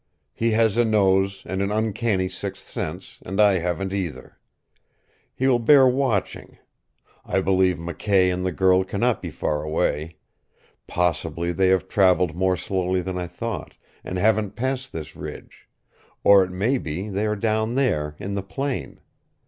"He has a nose, and an uncanny sixth sense, and I haven't either. He will bear watching. I believe McKay and the girl cannot be far away. Possibly they have traveled more slowly than I thought, and haven't passed this ridge; or it may be they are down there, in the plain.